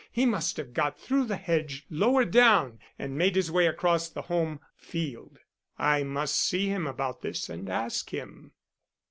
He must have got through the hedge lower down, and made his way across the home field. I must see him about this and ask him.